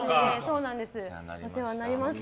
お世話になります。